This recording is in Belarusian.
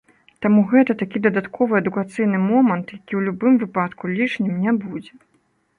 Таму гэта такі дадатковы адукацыйны момант, які ў любым выпадку лішнім не будзе.